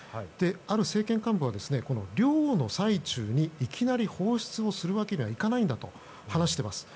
ある政権幹部はこの漁の最中にいきなり放出をするわけにはいかないんだと話しています。